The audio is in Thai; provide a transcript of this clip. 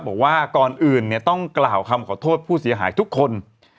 บอกว่าก่อนอื่นเนี่ยต้องกล่าวคำขอโทษผู้เสียหายทุกคน